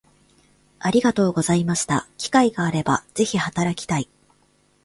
ありがとうございました機会があれば是非働きたい